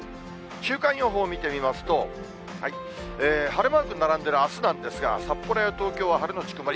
週間予報を見てみますと、晴れマーク並んでるあすなんですが、札幌や東京は晴れ後曇り。